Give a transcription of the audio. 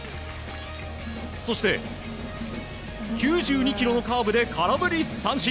そして、９２キロのカーブで空振り三振。